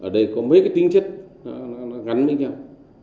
đây có mấy cái tính chất gắn với nhau